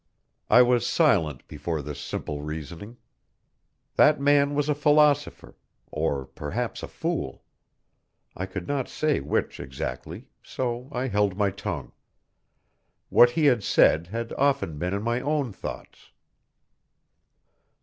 I was silent before this simple reasoning. That man was a philosopher, or perhaps a fool; I could not say which exactly, so I held my tongue. What he had said, had often been in my own thoughts.